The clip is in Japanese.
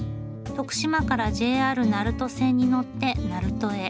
徳島からＪＲ鳴門線に乗って鳴門へ。